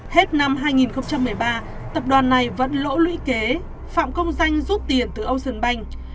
hết năm hai nghìn một mươi ba tập đoàn này vẫn lỗ lũy kế phạm công danh rút tiền từ ocean bank